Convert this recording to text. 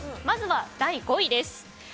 まずは第５位です。